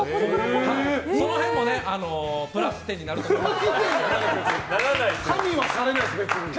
その辺もプラス点になると思います。